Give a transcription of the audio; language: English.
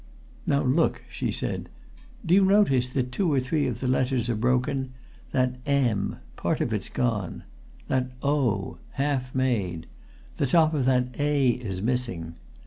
"Now look!" she said. "Do you notice that two or three of the letters are broken? That M part of it's gone. That O half made. The top of that A is missing.